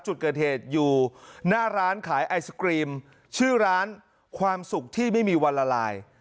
จุดเกิดเหตุอยู่หน้าร้านขายไอศกรีมชื่อร้านความสุขที่ไม่มีวันละลาย